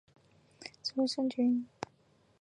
后唐设立左右护圣军。